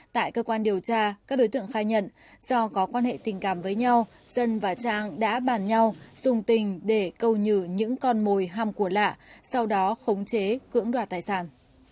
tại cơ quan điều tra các đối tượng khai nhận do có quan hệ tình cảm với nhau dân và trang đã bàn nhau dùng tình để câu nhử những con mồi ham của lạ sau đó khống chế cưỡng đoạt tài sản